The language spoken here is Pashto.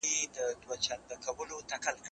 زه بايد سندري واورم!.